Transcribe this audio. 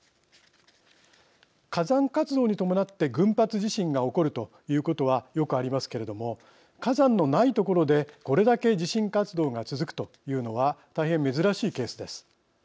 火山活動に伴って群発地震が起こるということはよくありますけれども火山のない所でこれだけ地震活動が続くというのは大変珍しいケースです。